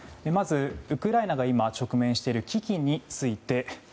まず、ウクライナが今直面している危機について。